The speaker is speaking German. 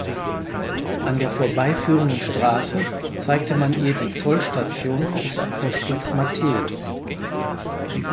An der vorbeiführenden Straße zeigte man ihr die Zollstation des Apostels Matthäus.